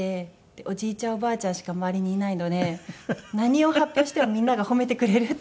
おじいちゃんおばあちゃんしか周りにいないので何を発表してもみんなが褒めてくれるっていう。